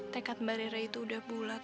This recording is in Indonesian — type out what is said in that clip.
tekad mbak rera itu udah bulat